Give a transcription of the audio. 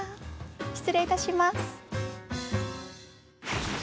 失礼いたします。